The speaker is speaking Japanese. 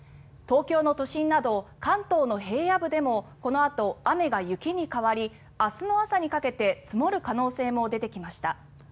東京の都心など関東の平野部でもこのあと雨が雪に変わり明日の朝にかけて積もる可能性も出てきました。